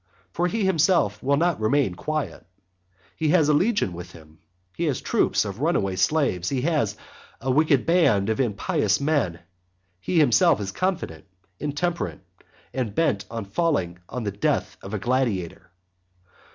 For he himself will not remain quiet. He has a legion with him, he has troops of runaway slaves, he has a wicked band of impious men, he himself is confident, intemperate, and bent on falling by the death of a gladiator.